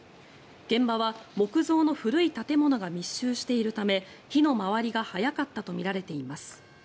現場は木造の古い建物が密集しているため火の回りが早かったとみられています。